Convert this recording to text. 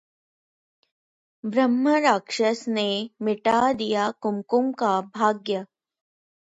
'ब्रह्म राक्षस' ने मिटा दिया कुमकुम का 'भाग्य'